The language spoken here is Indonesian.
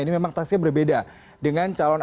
ini memang tasnya berbeda dengan calon